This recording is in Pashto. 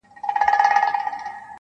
هره ورځ به وو دهقان ته پټ په غار کي-